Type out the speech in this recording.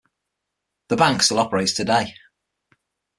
The Bank still operates today.